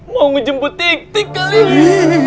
mau ngejemput titik kali ini